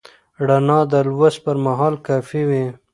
رڼا د لوست پر مهال کافي وي.